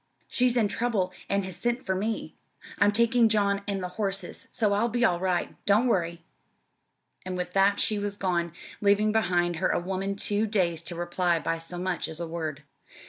"She's in trouble and has sent for me. I'm taking John and the horses, so I'll be all right. Don't worry!" And with that she was gone, leaving behind her a woman too dazed to reply by so much as a word.